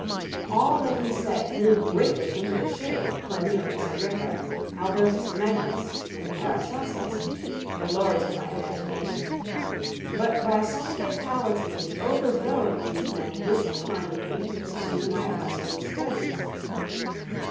All that he said threw greatly into the shade Cornelius Agrippa, Albertus Magnus, and Paracelsus, the lords of my imagination; but by some fatality the overthrow of these men disinclined me to pursue my accustomed studies.